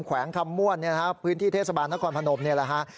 แขวงคำม่วนพื้นที่เทศบาลนครพนมนี่แหละฮะ